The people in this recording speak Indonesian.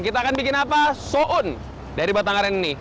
kita akan bikin apa soun dari batang aren ini